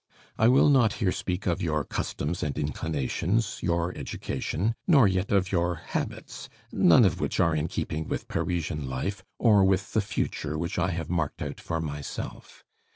I will not here speak of your customs and inclinations, your education, nor yet of your habits, none of which are in keeping with Parisian life, or with the future which I have marked out for myself.